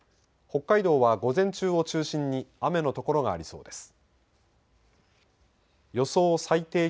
北海道は午前中を中心に雨の所がありそうです。